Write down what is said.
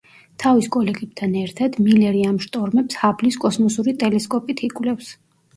თავის კოლეგებთან ერთად, მილერი ამ შტორმებს ჰაბლის კოსმოსური ტელესკოპით იკვლევს.